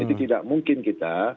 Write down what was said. jadi tidak mungkin kita